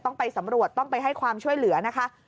ต้องไปสำรวจต้องไปให้ความช่วยเหลือนะคะ